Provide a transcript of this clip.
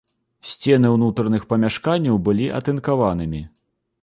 Сцены ўнутраных памяшканняў былі атынкаванымі.